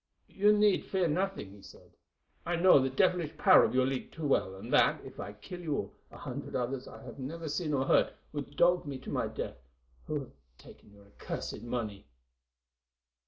"You need fear nothing," he said, "I know the devilish power of your league too well, and that, if I kill you all, a hundred others I have never seen or heard of would dog me to my death, who have taken your accursed money."